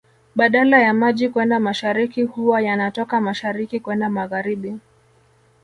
Badala ya maji kwenda mashariki huwa yana toka mashariki kwenda magharibi